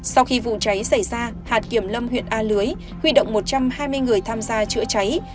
sau khi vụ cháy xảy ra hạt kiểm lâm huyện a lưới huy động một trăm hai mươi người tham gia chữa cháy